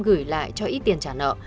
gửi lại cho ít tiền trả nợ